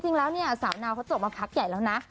จริงแล้วเนี่ยสาวนาวเขาจบมาพักใหญ่แล้วนะ